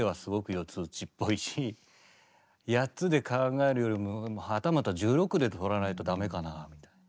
８つで考えるよりもはたまた１６でとらないと駄目かなみたいな。